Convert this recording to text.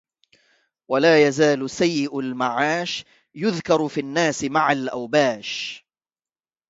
ولا يزال سيءُ المعاش يذكر في الناس مع الأوباش